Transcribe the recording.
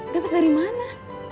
dapat dari mana